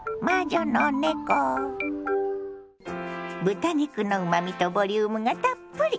豚肉のうまみとボリュームがたっぷり。